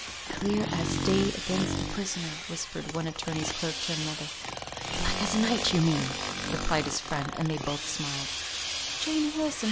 "Clear as day against the prisoner," whispered one attorney's clerk to another. "Black as night, you mean," replied his friend; and they both smiled. "Jane Wilson!